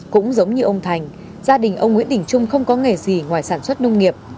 cũng giống như ông thành gia đình ông nguyễn đình trung không có nghề gì ngoài sản xuất nông nghiệp